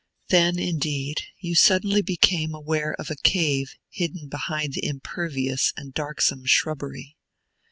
Then, indeed, you suddenly became aware of a cave hidden behind the impervious and darksome shrubbery.